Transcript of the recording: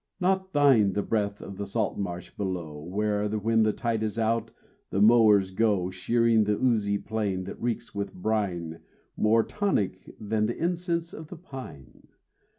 Not thine the breath of the salt marsh below Where, when the tide is out, the mowers go Shearing the oozy plain, that reeks with brine More tonic than the incense of the pine.